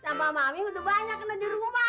sampah mami udah banyak kena di rumah